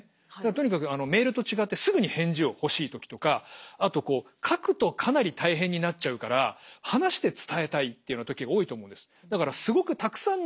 とにかくメールと違ってすぐに返事を欲しいときとかあとこう書くとかなり大変になっちゃうから話して伝えたいっていうような時が多いと思うんです。